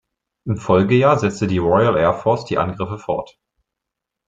Im Folgejahr setzte die Royal Air Force die Angriffe fort.